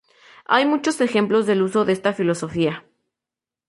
Hay muchos ejemplos del uso de esta filosofía.